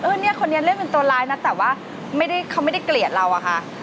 เนี่ยคนนี้เล่นเป็นตัวร้ายนะแต่ว่าไม่ได้เขาไม่ได้เกลียดเราอะค่ะ